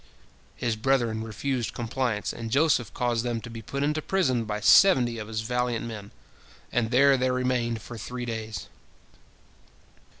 His brethren refused compliance, and Joseph caused them to be put into prison by seventy of his valiant men, and there they remained for three days.